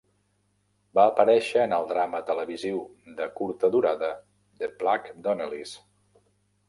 Va aparèixer en el drama televisiu de curta durada "The Black Donnellys".